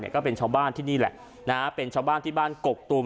ก็เป็นชาวบ้านที่นี่แหละเป็นชาวบ้านที่บ้านกกตูม